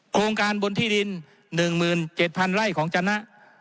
โครงการบนที่ดิน๑๗๐๐ไร่ของจนะ